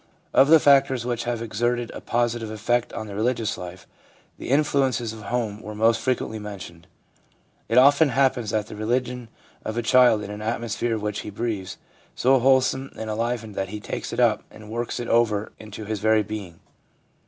Of the factors which have exerted a positive effect on the religious life, the influences of home were most fre quently mentioned. It often happens that the religion of a child is an atmosphere which he breathes, so whole some and enlivening that he takes it up and works it over into his very being.